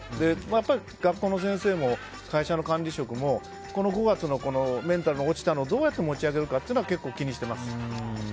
やっぱり学校の先生も会社の管理職も５月のメンタルが落ちたのをどうやって持ち上げるかを結構、気にしています。